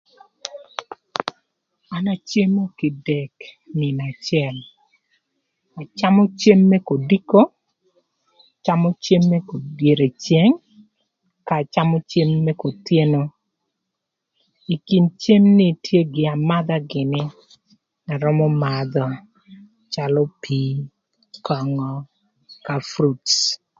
An acemo kidek nïnö acël. Acamö cem më kodiko, acamö cem më dyere ceng ëka acamö cem më kothyeno. Ï kin cem ni tye gï amadha gïnï na arömö madhö calö pii, köngö, ëka fruits.